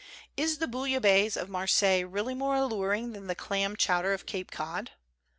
Is the bouilla baisse of Marseilles really more alluring than the clam chowder of Cape Cod?